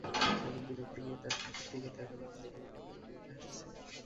খানিক বিরক্তি নিয়ে তার দিকে তাকালাম, দেখে মনে হলো মিটিমিটি হাসছে।